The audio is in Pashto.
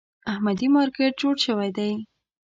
احمدي مارکېټ جوړ شوی دی.